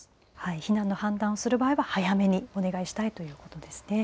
避難の判断をする場合は早めにお願いしたいということですね。